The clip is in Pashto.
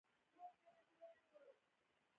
د عقلمن انسان د بریا راز د ژبې کارونه ده.